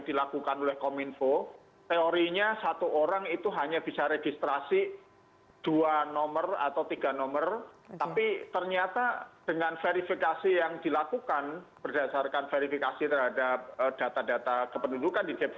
dilakukan oleh kominfo teorinya satu orang itu hanya bisa registrasi dua nomor atau tiga nomor tapi ternyata dengan verifikasi yang dilakukan berdasarkan verifikasi terhadap data data kependudukan di dpr